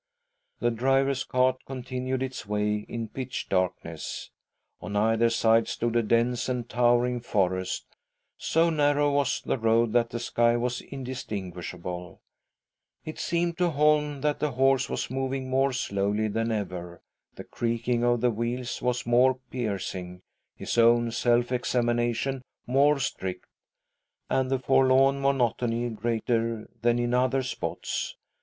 The driver's cart continued its way in pitch darkness. On either side stood a dense and tower ing forest ; so narrow was the road that the sky was indistinguishable. It seemed to Holm that the horse was moving, more slowly than ever, the creaking of the wheels was more piercing, his own self examination more strict, and the forlorn monotony, greater than in other spots.